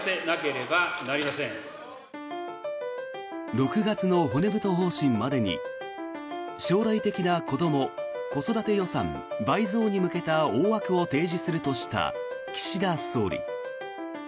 ６月の骨太方針までに将来的な子ども・子育て予算倍増に向けた大枠を提示するとした岸田総理。